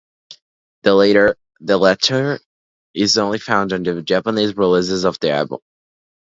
The latter is only found on the Japanese releases of the album.